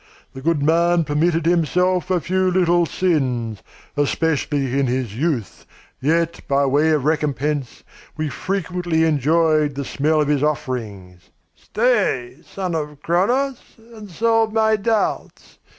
The good man permitted himself a few little sins, especially in his youth, yet by way of recompense, we frequently enjoyed the smell of his offerings " "Stay, son of Cronos, and solve my doubts!